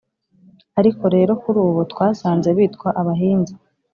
ariko rero kuri ubu twasanze bitwa abahinza,